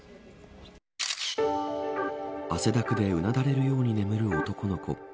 汗だくで、うなだれるように眠る男の子。